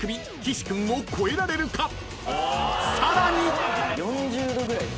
［さらに］